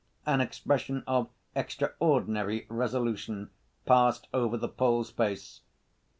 An expression of extraordinary resolution passed over the Pole's face.